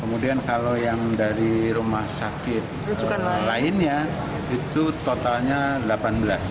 kemudian kalau yang dari rumah sakit lainnya itu totalnya delapan belas